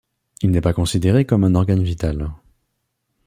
Il n'est pas considéré comme un organe vital.